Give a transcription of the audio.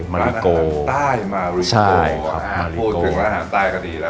มาริโกใต้มาริโกอ่าพูดถึงร้านอาหารใต้ก็ดีแล้ว